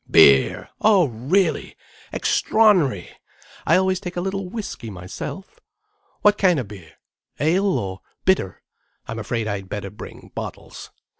"Beer! Oh really! Extraor'nary! I always take a little whiskey myself. What kind of beer? Ale?—or bitter? I'm afraid I'd better bring bottles.